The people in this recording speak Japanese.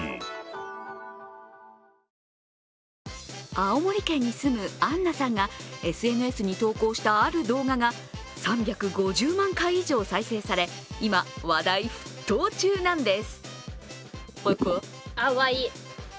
青森県に住む、あんなさんがＳＮＳに投稿したある動画が３５０万回以上再生され今、話題沸騰中なんです。